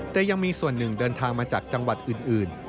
แต่ยังมีส่วนหนึ่งเดินทางมาจากจังหวัดอื่น